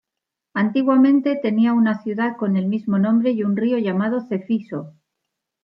Antiguamente tenía una ciudad con el mismo nombre y un río llamado Cefiso.